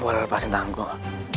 boleh lepasin tanggung